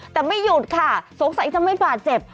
แต่ไม่หยุดค่ะสงสัยจะไม่บาดเจ็บ